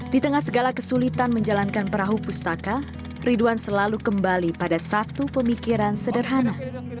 di tengah segala kesulitan menjalankan perahu pustaka ridwan selalu kembali pada satu pemikiran sederhana